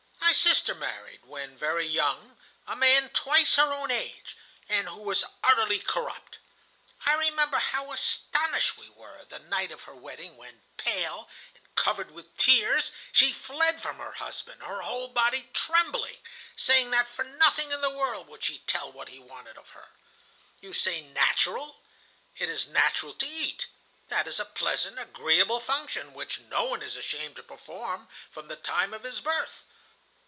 My sister married, when very young, a man twice her own age, and who was utterly corrupt. I remember how astonished we were the night of her wedding, when, pale and covered with tears, she fled from her husband, her whole body trembling, saying that for nothing in the world would she tell what he wanted of her. "You say natural? It is natural to eat; that is a pleasant, agreeable function, which no one is ashamed to perform from the time of his birth.